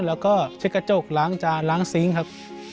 แล้วก็เช็ดกระจกล้างจานล้างซิงค์ครับ